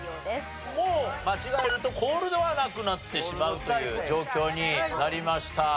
もう間違えるとコールドはなくなってしまうという状況になりました。